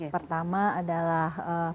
pertama adalah demam